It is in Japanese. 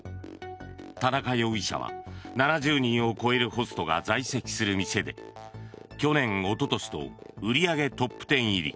田中容疑者は７０人を超えるホストが在籍する店で去年、おととしと売り上げトップ１０入り。